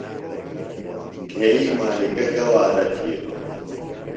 گھئی مالِکہ گہ وعدہ تِھیلوۡ؟